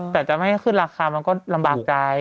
แต่จะไม่ให้ขึ้นราคามันก็ลำบากใจ